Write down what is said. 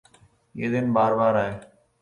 یہ دن بار بارآۓ